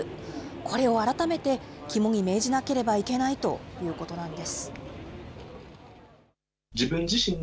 これを改めて肝に銘じなければいけないということなんです。